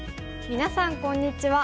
みなさんこんにちは。